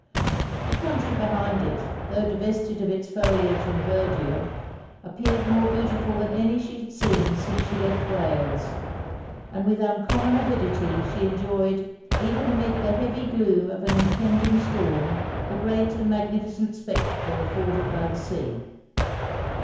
The country behind it, tho' divested of its foliage and verdure, appeared more beautiful than any she had seen since she left Wales; and with uncommon avidity she enjoyed, even amid the heavy gloom of an impending storm, the great and magnificent spectacle afforded by the sea.